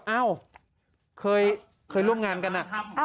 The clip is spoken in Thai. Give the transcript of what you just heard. เอ้าเคยล่วงงานกัน